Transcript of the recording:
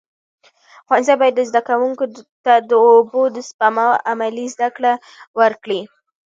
ښوونځي باید زده کوونکو ته د اوبو د سپما عملي زده کړه ورکړي.